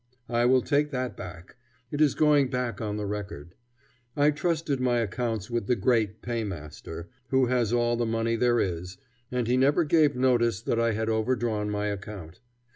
I will take that back. It is going back on the record. I trusted my accounts with the Great Paymaster, who has all the money there is, and he never gave notice that I had overdrawn my account.